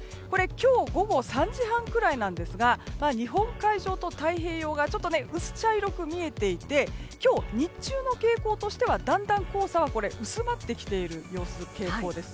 今日午後３時半ぐらいですが日本海上と太平洋側ちょっと薄茶色く見えていて今日、日中の傾向としてはだんだん黄砂は薄まってきている傾向です。